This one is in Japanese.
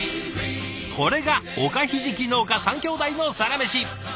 これがおかひじき農家３兄弟のサラメシ。